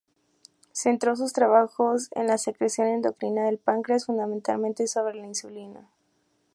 Centró sus trabajos en la secreción endocrina del páncreas, fundamentalmente sobre la insulina.